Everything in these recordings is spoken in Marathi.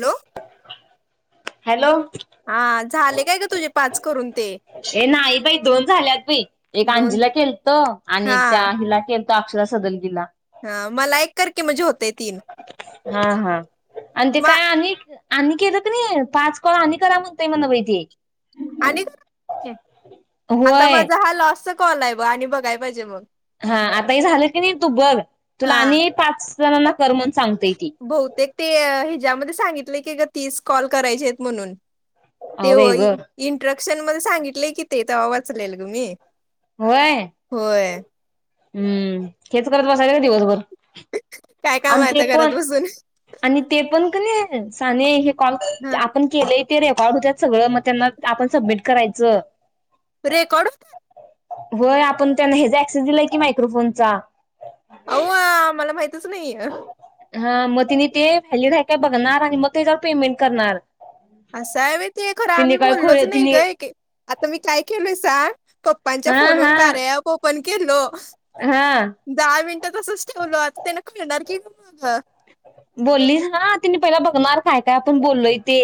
हॅलो हॅलो हा झाले काय ग तुझे पाच करून ते ये नाही बाई दोन झाल्यात बाई, एक दोन आंजीला केलतो आणि हा एक त्या हीला केल टाकशिला सदल गिला हा मला एक कर कि म्हणजे होतेय तीन हा, हा आणि ते मा काय आणिक आणि केलं कनी पाच कॉल आणि करा म्हणत म्हण बाई ते आणि कनई आता होय माझा हा लास्टचा कॉल आहे बघ आणि बघाय पाहिजे मग हा आता हे झालं की नाही तू बघ तुला हा आणि पाच झाल ना? बहुतेक ते ज्यामध्ये सांगितलेय की ग तीस कॉल करायचे आहेत म्हणून ते अहो बाई होय ग इन ट्रक सश्केनमध्ये सांगितय कि ते तवा वाचलेल ग मी होय होय हम्म हेच करत बसायच काय दिवसभर? काय काम आणि आहे ते आता घरात पण बसून आणि ते पण कनई साने हे कॉल आपण केलंय ते रेकॉर्ड होत्यात सगळं मग त्यांना आपण सबमिट करायचं रेकॉर्ड होत्यात? होय आपण त्यांना हेज ऍक्सेस दिलाय की मायक्रोफोनचा अहो मला माहितच नाही हा मग तिने ते व्हॅलिड आहे काय बघणार आणि मग त्याच्यावर पेमेंट करणार असं आहे व्हय ते खरं तिने आम्ही काय बोललोच खोळे नाही ग, तिने एक आता मी काय केलोय सांग? पप्पांच्या हा फोनवर हा कार्या ॲप ओपन केलो हा [inaudible] दहा मिन ते तसच ठेवलो आता त्याना कळणार की ग मग बोलली हा तिने पहिला बघणार काय, काय आपण बोललोय ते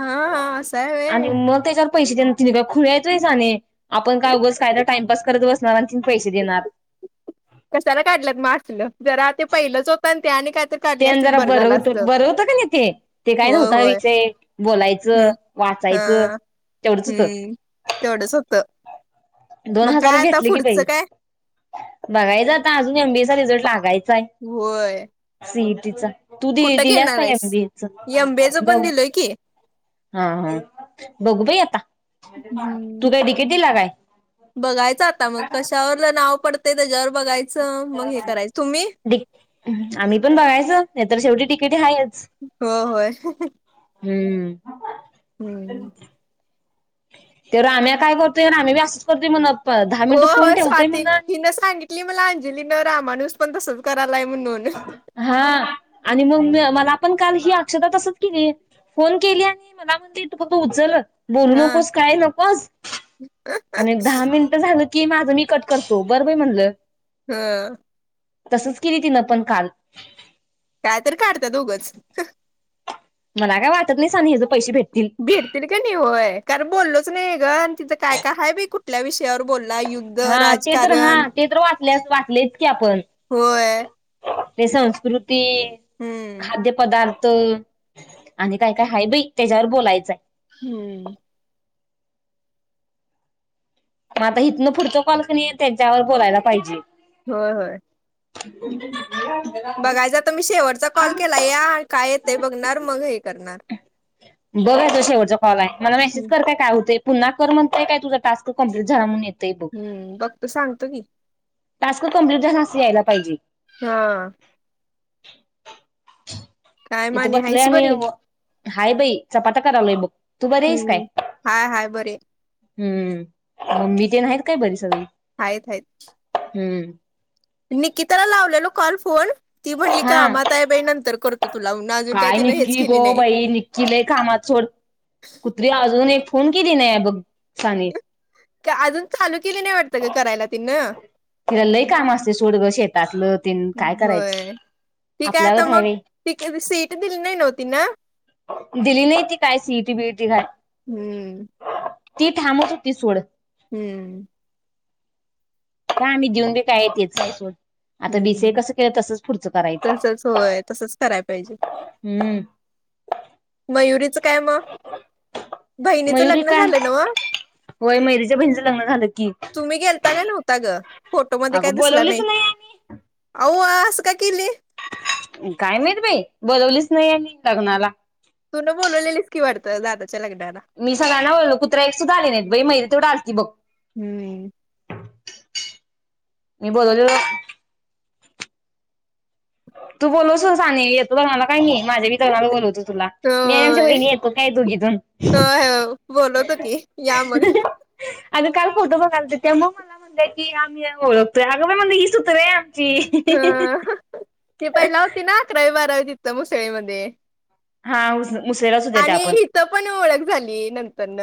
हा हा आस हाय आणि व्हय मग त्याच्यावर पैसे द्याय तिने काय खुळी हायत व्हय शाणे आपण का उगाच काय तर टाईमपास करत बस [unintelligible] पैसे देणार कशाला काढल्यात मग असल जरा ते पहिलंच होतं ते आणि काय तर ते काढले आणि असतील जरा बरं बर झालं हुतं असतं बर होत कणी ते ते काय होय नव्हता होय विषय बोलायचं, हं, वाचायचं हा तेवढच हुतं हम्म तेवढंच होतं दोन मग हजार काय आता घेतले की बाई पुढचं काय बघायचं आता अजून एमबीएचा रिझल्ट लागायचं होय तिचा तू दि कुठं दिल्यास घेणार काय आहेस एम बी एच एमबीएचं बघ पण दिलंय की हा हा बघू बाई आता. हम्म तु काय डिकेटीला काय? बघायचं आता मग कशावर नाव पडतंय त्याच्यावर बघायचं मग हे करायचं तुम्ही? आम्ही पण बघायचं नाही तर शेवटी डिकेटी हायच हो होय हम्म हम् त्यो राम्या काय करतोय राम्या बी असंच करतोय म्हण दहा हो मिनिटं फोन हो ठेवतोय स्वाती म्हण आणि हिन सांगितली मला अन अंजली न रामाणूस पण तसंच करा हा आणि मग मी मला मला आपण काल ही अक्षदा तसंच केली, फोन केली आणि मला म्हणली तू फक्त उचल. बोलू हा नकोस काही नकोस आणि दहा मिनिट झालं की माझं मी कट करतो, बरं बाई म्हणलं. हं तसंच केली तिन पण काल काय तर काढत्या उगच मला काय वाटत नाही साने हयाचे पैसे भेटत भेटतील कणी होय कारण बोललोच नई [inaudible] तिथं काय काय हाय बाई कुठल्या विषयावर बोल हा ते तर हा ते तर वाच आपल्यात वाटलेत कि आपण होय ते संस्कृत ती हम्म खाद्यपदार्थ तर आणि काय काय हाय बाई त्याच्यावर बोलायचाय हम्म मग आता इथनं पुढचं कॉल का नै त्यांच्यावर बोलायला पाहिजे. होय होय [unintelligible] बघायचं आता मी शेेवटचा कॉल केला या काय येतयं बघणार मग हे करणार बघ आता शेवटचा काॅल हाय मला मेसेज कर काय काय होतयं. पुन्हा कर म्हणतय का तुझा टास्क. तो कंप्लिट झाला म्हणून ये हम्म बघत सांगतो की टास्क कम्पलिट झाला असं यायला पाहिजे. हा [unintelligible] काय इथं माने बसलोय हायस आम्ही बरी हाय बाई चपा ता करालोय बघ तू बरी आहेस काय हम्म हाय हाय बरी हाय. हम्म ममी तेन हाइत काय बरी सगळी. हायत हायत हम्म निकिताला लावलेलो कॉल फोन ती म्हणली हा कामात हाय बाई नंतर करतो तुला म्हणून अजून काय तिनं हेच निक्की केली गं नाही बाई निक्की लय कामाात सोड कुत्री अजून ही कधी फोन किली नाही बघ. साने का अजून चालू केली नाय वाटत ग करायला तिनी तीला लय काम असते सोड ग शेतातलं तेन काय करायचं होय ती काय आता आपल्यागत हाय मग व्हय ती सीट दिली नाही नव्ह तिनं दिली नाही ती काय सिईटी बिईटी काय हम्म ती थांबत होती सोड हम्म हो आम्ही देऊन बी काय तेच आहे सोड आता हूं बीसीए हूं कसं केलं तसंच पुढचं करायचं तसच होय तसच कराय पाहिजे हम्म मयुरीच काय म बहिणीच मयुरी लग्न काय झालं नव्हं, होय मयुरीच्या बहिणीचं लग्न झालं की तुम्ही गेलता का नव्हता ग. फोटोमध्ये अगं बोलवलीच नाही आणि अव्वा असं का केली काय माहित बई बोलवलीच नाही आणि लग्नाला तु न बोलवलेलीस की वाटतं दादा मी सगळ्यांना बोलो कुत्र्या एक सुद्धा आली नाहीत बई मैरी तेवढ आलती बघ हम्म. मी बोलवलेलो तू बोलव स साने येतो बग मला काय नई माझ्या मी तोरणाला बोलवतो तुला मी आणि आमच्या होय वहिणी येतो काय दोघीजन होय बोलवतो की या मग अग काल फोटो बघालतो त्या मग मला म्हणल्या की आम्ही ओळखतोय अगं बाई हीच हुत वय ह. ची ती पहिला हुती ना अकरा बारावी तिथं मुसळेमध्ये. हाऊस आणि हित पण ओळख झाली नंतरन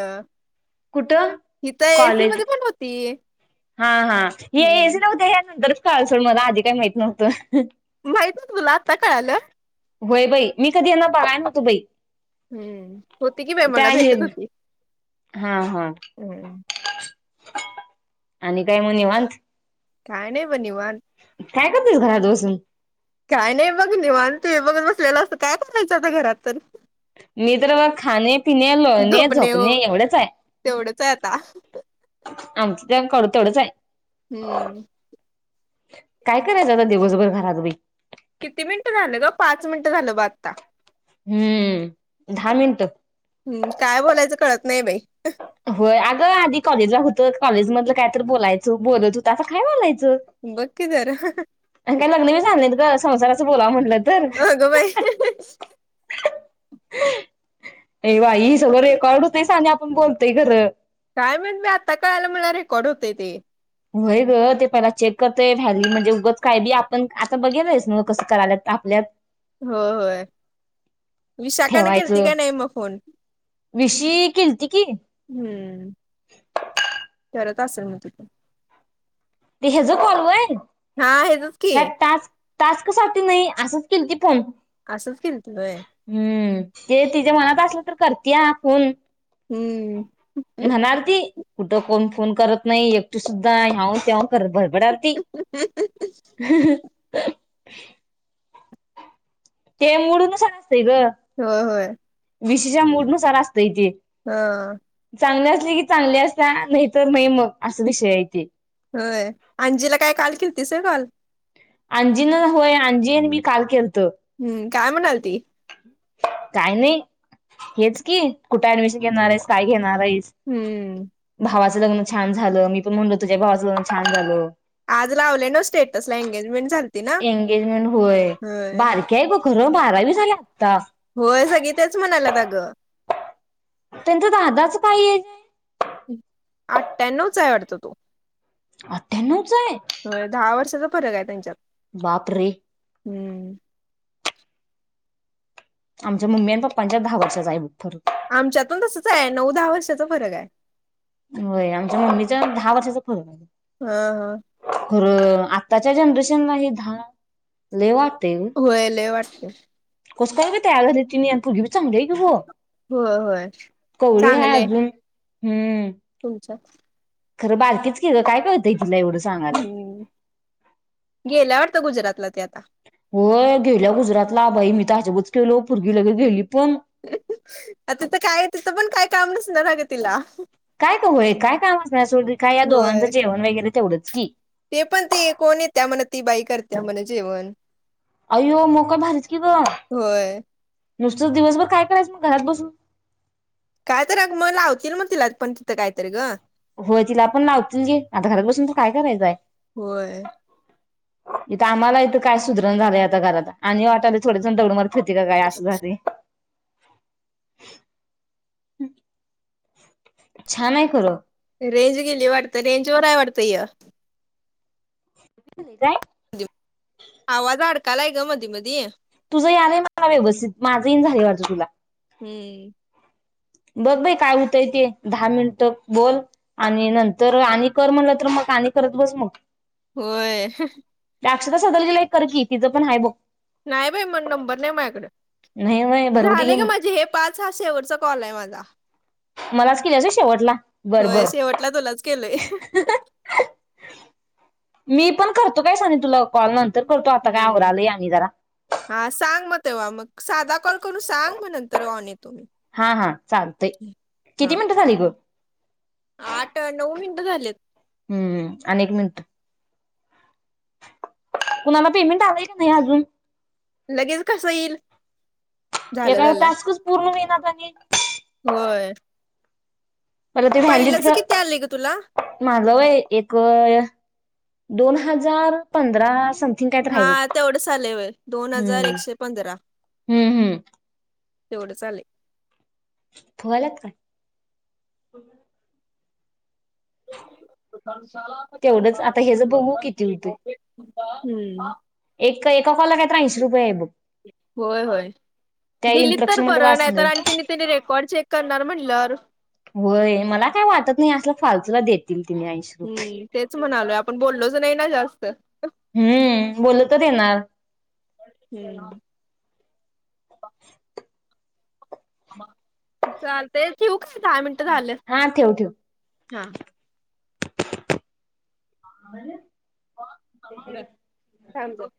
कुठं हित ए सी कॉलेज मध्ये पण होती. हा हा ह्या ए सी हम्म. होत्या ह्या नंतर कळालं सोड मला आधी काय माहित नव्हतं. माहित नव्हतं तुला आत्ता कळालं? होय बाई मी कधी यांना बघाय नव्हतो बाई. हम्म होती कि बाई त्या मला हे भेटत होती, हा हा हम्म आणि काय म निवांत काय नाही ब निवांत काय करतेस घरात बसून काय नाही बघ निवांत टिव्ही बघत बसलेलो असतोय काय करायचं आता घरात तर मी तर बघ खाणे पिणे लोळणे झोपणे एवढेच हाय तेवढंच आहे आता आमचं [unintelligible] तेवढंचाय हम्म काय करायचं आता दिवसभर घरातबी किती मिनिटं राहीलं ग पाच मिनिटं झालं ब आता. हम्म दहा मिनट हम्म काय बोलायचं कळत नाही बाई होय अगं आधी कॉलेजला हुतो कॉलेज मधलं काय तर बोलायचो बोलत हुता आता काय बोलाय च बघ की जरा आण काय लग्नबी झालं नाय बघ जरा संसाराचं बोलावं म्हण अगं बाई [inaudible] ए वाय ही सगळं रेकॉर्ड होतय शाने आप कोण बोलतंय खरं काय म्हणलं आता कळालं मला रेकॉर्ड होतंय ते. होय ग ते पहिला चेक करतयं, व्हली म्हणजे उगच काय बी आपण आता बघेलच ना कसं कराल्यात आपल्यात हो होय विशाखाने केलती ठेवायचं का नाही मग फोन विशी किलती हम्म तर असेल म तिथून ते हेज फॉर्म होय हां हेजच की टास्कसाठी न्हई असंच केलती फोन असंच केलती व्हय हम्म ते तीज्या मनात असलं तर करत्या फोन हम्म म्हणार ती कुठं कोण फोन करत नाही एकटे सुद्धा ह्यांवत्यांव बडबडालती [unintelligible] ते मोडूनस आलास होय होय विशीच्या मूडनुसार अस [unintelligible] हा चांगल्या असतंय ती चांगली असत्या [unintelligible] असा विषय आहे ते होय अंजिला काय काल केलतीस होय कॉल आंजिनं होय आंजी नि मी काल केल हम्म काय म्हणालती काय नाही, हेच की कुठे ऍडमिशन घेणार आहेस काय घेणार? [unintelligible] हम्म भावाचं लग्न छान झालं, मी पण म्हणलो तुझ्या भावाचं लग्न छान झालं. आज लावले न्हव स्टेटस ला एंगेजमेंट झाल इंगेजमेंट होय बारकी हाय बघ खरं बारावी झाल्या आत्ता होय सगळी तेच म्हणाल्यात अगं त्यांच्या दादाच काय एज हाय आठ्यानव्व चा आहे वाटतं तो आठ्यानव्व चा हाय होय दहा वर्षाचा फरक आहे त्यांच्यात बापरे! हम्म आमच्या मम्मी आणि पप्पांच्यात दहा वर्षाचा हाय बघ फरक आमच्यातून तसंच आहे नऊ दहा वर्षाचा फरक हाय. होय आमच्या मम्मीच्या दहा वर्षाचा फरक हाय हा हा खरं आत्ताच्या जनरेशन नाही दहा लई वाट होय लई वाट [inaudible] कसं काय बर त्या [unintelligible] चांगली हाय की ओ होय होय कवळी हाय अजून हम्म हो अच्छा खरं बारकीच की गं काय कळतंय. तुला एवढं सांगालोय, हम्म. गेल्या वाटतं गुजरातला ती आता. होय गेल्या गुजरातला बाई मी तर आजबच ते [unintelligible] पुरगी लगेच गेली पण अता तर काय तिथं पण काय काम नसणार अगं तिला. काय कवळे काय काम असणार सोड काय ह्या दोघांचं होय. जेवण वगैरे तेवढंच [unintelligible] ते पण ते कोण येत्या म्हण ती बाई करत्या म्हण जेवण अयो म काय भारीच की गं! होय. नुसतं दिवसभर काय करायचं मग घरात बसून. काय तर आग मग लावतील मग तिला पण तिथं कायतर ग होय तिला पण लावती [unintelligible] आता घरात बसून तर काय करायचं हाय होय. इथं आम्हाला इथं काय सुधरना झालंय, आता घरात आणि वाटलंय थोडे जण तीला काय अस झालंय. [inaudible] छान आहे खरं रेंज गेली वाटत रेंज वर हाय वाटत ह्य [unintelligible] आवाज अडकालाय गं मधी मधी तुझं यायलंय मला व्यवस्थित, माझं ईना झालय वाटत तुला. हम्म बघ बाई काय होतंय ते दहा मिनिट बोल आणि नंतर आणि कर म्हणलं तर मग आणि करत बस मग होय त्या अक्षता सदलगेला ला एक कर की तिचं पण हाय बघ नाही बाई मण नंबर नाही माझ्याकड, नाही नाही भरवती झाले घे गं मग माझे हे पाच हा शेवटचा. कॉल हाय माझा मलाच केलियास होय शेवटला बर होय बर शेवटला तुलाच केलोय मी पण करतो काय साने तुला कॉल नंतर. करतो आता काय हम्म आवरायलो आम्ही जरा? हा सांग मग तेव्हा मग साधा कॉल करून सांग मग नंतर ऑन येतो. मी हा हा चालतंय किती हा मिनिटं झाली ग? आठ नऊ मिनिटं झालेत. हम्म आणि एक मिनटं कुणाला पेमेंट आलंय का नाही अजून लगेच कसं इल्? एका टास्कच पूर्ण मिळणार. म [unintelligible] व्हय मला ते आले ग तुला व्हलिडच माझ व्हय एक अ दोन हजार पंधरा समथिंग काय तर हाय हा बघ तेवढंच आले वय दोन हजार हम्म एकशे पंधरा हम्म हम् तेवढंच आलय फुगायल्यात काय? त [unintelligible] तेवढंच आता हेच बघू किती होतय? हम्म एक एका कॉलला काय तर ऐशी रुपये हायत बघ होय होय त्या दिलीत तर इनट्रक्शन मंधे बरं नाही वाचल तर आणि त्यांनी त्यांनी रेकॉर्ड चेक करणार म्हणल्यावर होय मला काय वाटत नाही असल फालत तुला देतील तिने ऐंशी रुपये हम्म तेच म्हणालोय आपण बोललोच नाही ना जास्त [unintelligible] हम्म बोल तर येणार हम्म [inaudible] चालतय ठेऊ दहा मिनटं झालं हा ठेव ठेव हा. मर [unintelligible] सांगतो.